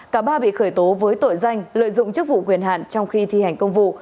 cả ba bị khởi tố với tội danh lợi dụng chức vụ quyền hạn trong khi thi hành công vụ